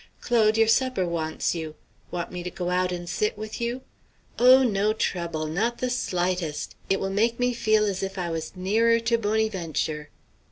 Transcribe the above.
Claude, your supper wants you. Want me to go out and sit with you? Oh, no trouble! not the slightest! It will make me feel as if I was nearer to Bonnyventure."